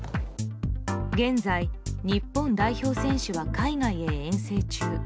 現在、日本代表選手は海外へ遠征中。